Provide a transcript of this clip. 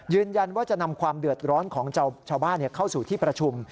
ยืนยันว่าจะนำความเดือดร้อนของชาวบ้านเข้าสู่ที่ประชุม